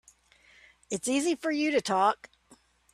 It's easy for you to talk.